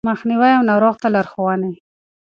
مخنيوی او ناروغ ته لارښوونې